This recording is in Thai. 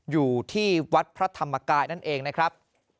อยู่ที่วัดพระธรรมกายนั่นเองนะครับ